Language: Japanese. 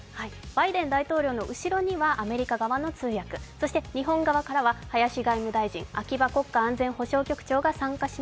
バイデン大統領の後ろにはアメリカ側の通訳、そして日本側からは林外務大臣、秋葉さん。